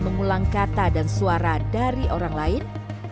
mengulang kata dan suara dari orang lain